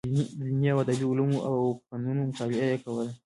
د دیني او ادبي علومو او فنونو مطالعه یې کوله.